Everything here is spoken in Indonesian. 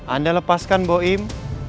anda lepaskan boim